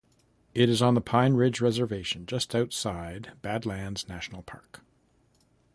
It is on the Pine Ridge Reservation, just outside Badlands National Park.